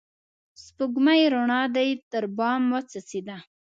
سپوږمۍ روڼا دي تر بام وڅڅيده